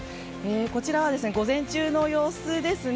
こちらは午前中の様子ですね。